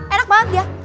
enak banget dia